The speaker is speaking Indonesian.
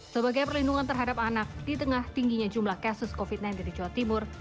sebagai perlindungan terhadap anak di tengah tingginya jumlah kasus covid sembilan belas di jawa timur